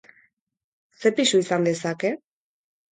Ze pisu izan dezake?